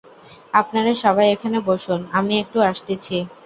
আপনারা সবাই এখানে বসুন, আমি একটু আসতেছি।